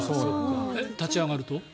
立ち上がると？